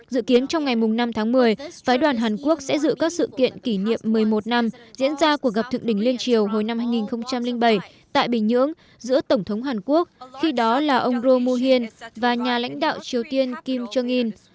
dự kiến trong ngày năm tháng một mươi phái đoàn hàn quốc sẽ giữ các sự kiện kỷ niệm một mươi một năm diễn ra cuộc gặp thượng đỉnh liên triều hồi năm hai nghìn bảy tại bình nhưỡng giữa tổng thống hàn quốc khi đó là ông romuhin và nhà lãnh đạo triều tiên kim jong un